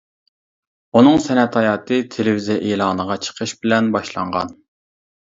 ئۇنىڭ سەنئەت ھاياتى تېلېۋىزىيە ئېلانىغا چىقىش بىلەن باشلانغان.